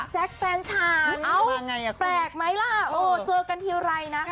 แจ๊กแฟนฉานเอ้าแปลกไหมล่ะเจอกันทีอะไรนะ